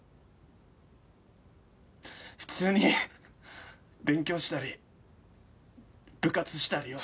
普通に勉強したり部活したりよ。